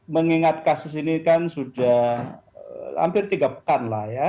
mengingat kasus ini kan sudah hampir tiga pekan